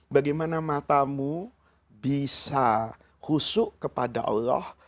bagaimana matamu bisa husuk kepada allah